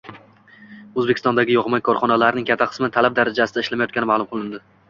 O‘zbekistondagi yog‘-moy korxonalarining katta qismi talab darajasida ishlamayotgani ma'lum qilindi